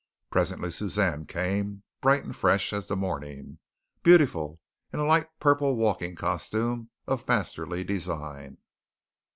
Presently Suzanne came, bright and fresh as the morning, beautiful in a light purple walking costume of masterly design.